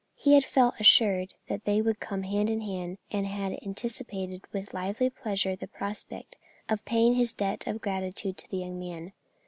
He had felt assured that they would come in hand in hand, and had anticipated with lively pleasure the prospect of paying his debt of gratitude to the young man.